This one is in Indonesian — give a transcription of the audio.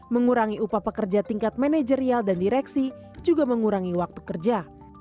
mengurangi upah pekerja tingkat manajerial dan direksi juga mengurangi waktu kerja